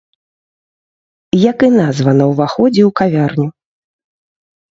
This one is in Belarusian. Як і назва на ўваходзе ў кавярню.